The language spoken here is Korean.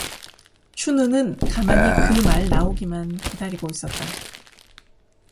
춘우는 가만히 그 말 나오기만 기다리고 있었다.